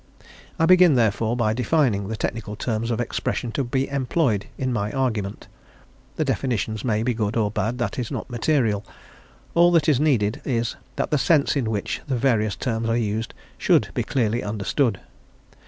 I begin, therefore, by defining the technical forms of expression to be employed in my argument; the definitions may be good or bad, that is not material; all that is needed is that the sense in which the various terms are used should be clearly understood.